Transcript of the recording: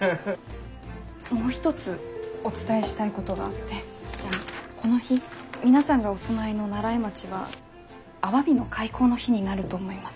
もう一つお伝えしたいことがあってこの日皆さんがお住まいの西風町はアワビの開口の日になると思います。